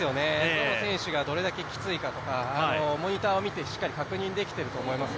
どの選手がどれだけきついかとか、モニターを見てしっかり確認できてると思います。